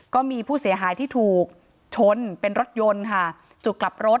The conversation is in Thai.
ก็มีผู้เสียหายที่ถูกชนเป็นรถยนต์ค่ะจุดกลับรถ